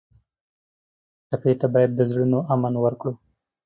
ټپي ته باید د زړونو امن ورکړو.